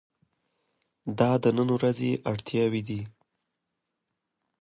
دا د نن ورځې اړتیاوې دي.